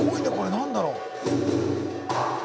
何だろう。